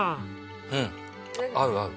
うん合う合う。